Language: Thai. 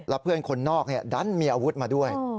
แล้วเพื่อนคนนอกดันมีอาวุธมาด้วย